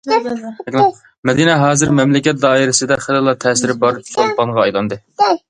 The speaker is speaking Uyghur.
مەدىنە ھازىر مەملىكەت دائىرىسىدە خېلىلا تەسىرى بار چولپانغا ئايلاندى.